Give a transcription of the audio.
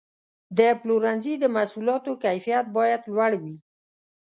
د پلورنځي د محصولاتو کیفیت باید لوړ وي.